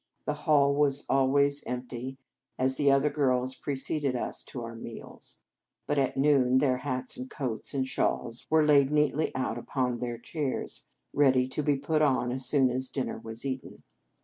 The hall was always empty, as the older girls preceded us to our meals; but at noon their hats and coats and shawls were laid neatly out upon their chairs, ready to be put on as soon as dinner was eaten.